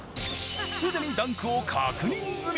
すでにダンクを確認済み。